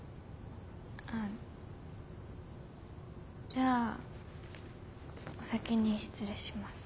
あじゃあお先に失礼します。